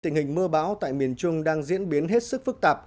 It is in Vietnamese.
tình hình mưa bão tại miền trung đang diễn biến hết sức phức tạp